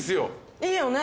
いいよね？